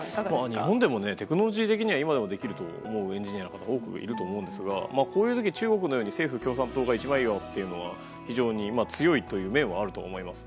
日本でもテクノロジー的には今でもできるというエンジニアが多くいると思うんですがこういう時、中国のように政府、共産党が一枚岩というのは強いという面もあると思います。